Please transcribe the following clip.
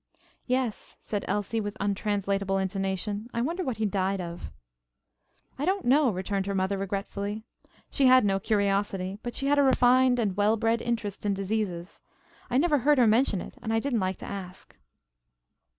"Yes," said Elsie with untranslatable intonation. "I wonder what he died of." "I don't know," returned her mother regretfully. She had no curiosity, but she had a refined and well bred interest in diseases. "I never heard her mention it and I didn't like to ask."